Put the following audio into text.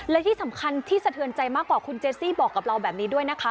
และที่สำคัญที่สะเทือนใจมากกว่าคุณเจซี่บอกกับเราแบบนี้ด้วยนะคะ